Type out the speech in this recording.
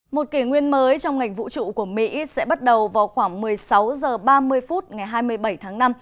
một kỷ nguyên mới trong ngành vũ trụ của mỹ sẽ bắt đầu vào khoảng một mươi sáu h ba mươi phút ngày hai mươi bảy tháng năm